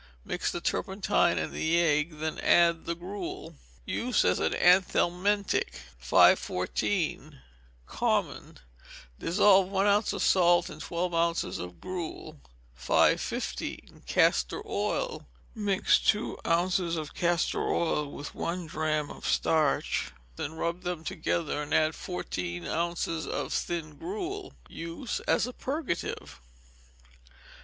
Mix the turpentine and egg, and then add the gruel. Use as an anthelmintic. 514. Common. Dissolve one ounce of salt in twelve ounces of gruel. 515. Castor Oil. Mix two ounces of castor oil with one drachm of starch, then rub them together, and add fourteen ounces of thin gruel. Use as a purgative.